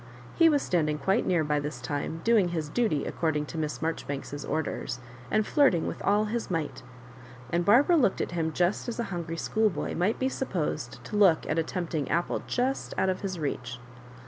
He was standing quite near by this time, doing his duty according to Miss Marjoribanks's orders, and flirting with all his might ; and Barbara looked at him just as a hungry schoolboy might be supposed to look at a tempting^ apple just out of his reach.